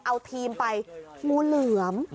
เอาทีมไปงูเหลือม